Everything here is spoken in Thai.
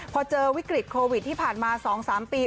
พอเจอวิกฤตโควิดที่ผ่านมา๒๓ปี